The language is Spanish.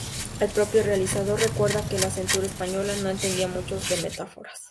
El propio realizador recuerda que la censura española “no entendía mucho de metáforas.